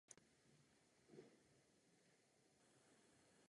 Vážné škody utrpěla civilní infrastruktura.